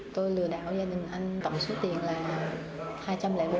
tôi lừa đảo gia đình anh tổng số tiền là hai trăm linh bốn